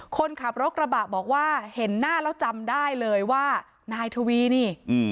คนขับรถกระบะบอกว่าเห็นหน้าแล้วจำได้เลยว่านายทวีนี่